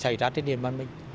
xảy ra trên địa bàn mình